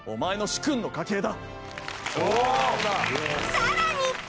さらに！